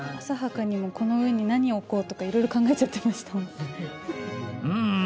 浅はかにもこの上に何を置こうとかいろいろ考えちゃってましたもん。